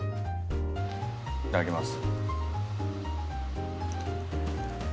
いただきます。